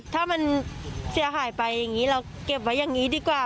ถ้ามันเสียหายไปอย่างนี้เราเก็บไว้อย่างนี้ดีกว่า